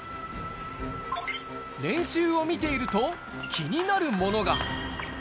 練習を見ていると、気になるものが。